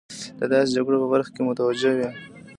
د داسې جګړو په برخه کې متوجه وي.